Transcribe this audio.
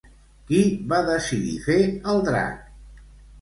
Qui va decidir fer el drac?